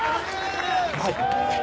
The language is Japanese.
はい。